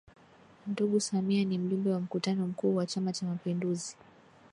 Ndugu Samia ni Mjumbe wa Mkutano Mkuu wa Chama Cha Mapinduzi